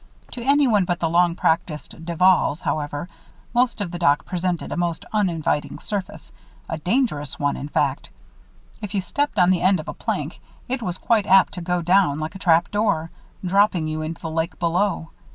To anyone but the long practiced Duvals, however, most of the dock presented a most uninviting surface a dangerous one, in fact. If you stepped on the end of a plank, it was quite apt to go down like a trap door, dropping you into the lake below.